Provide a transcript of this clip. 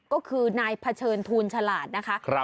ก็คือนายเผชิญทูลฉลาดนะคะ